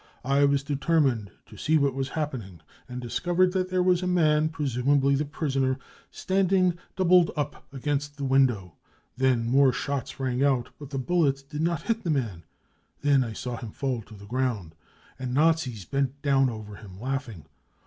I was determined to see what was happening, and discovered that there w«is a man, presumably the prisoner, standing doubled up BRUTALITY AND TORTURE 199 against the window. Then more shots rang out, but the bullets did not hit the man. Then I saw him fall to the ground, and Nazis bent down over him laughing.